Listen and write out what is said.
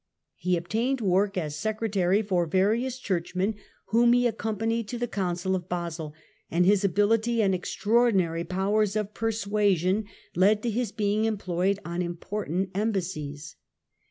He obtained work as secretary for various Churchmen, whom he accompanied to the Council of Basle, and his ability and extraordinary powers of persuasion led to his being employed on im portant embassies.